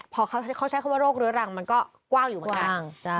พอเขาใช้คำว่าโรคเรื้อรังมันก็กว้างอยู่เหมือนกัน